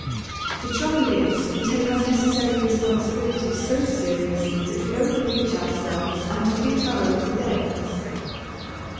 The trouble is we take unnecessary responsibilities so seriously that we overreach ourselves and defeat our own good ends.